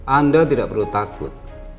anda tidak perlu takut